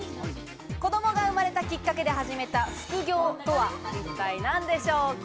子どもが生まれたきっかけで始めた副業とは一体何でしょうか？